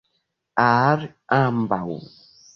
Al ambaŭ.